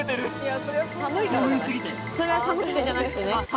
それは寒くてじゃなくて？